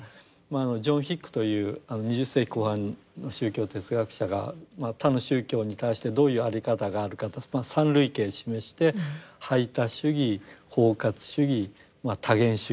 ジョン・ヒックという２０世紀後半の宗教哲学者が他の宗教に対してどういう在り方があるかと３類型示して排他主義包括主義多元主義と。